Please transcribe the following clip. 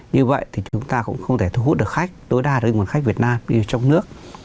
như vậy thì chúng ta cũng không thể thu hút được khách tối đa được nguồn khách việt nam đi trong nước